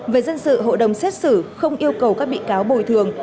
về dân sự hội đồng xét xử không yêu cầu các bị cáo bồi thường